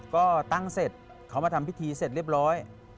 ก็ตั้งเสร็จเขามาทำพิธีเสร็จเรียบร้อย